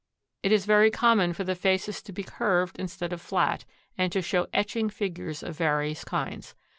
It is very common for the faces to be curved instead of flat and to show etching figures of various kinds.